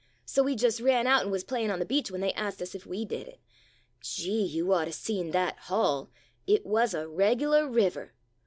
So we just ran out an' wuz playin' on the beach when they ast us if we did it. Gee !— you ought to seen that hall — it wuz a regular river!